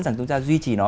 rằng chúng ta duy trì nó